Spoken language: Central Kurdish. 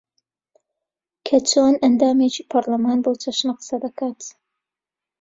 کە چۆن ئەندامێکی پەرلەمان بەو چەشنە قسە دەکات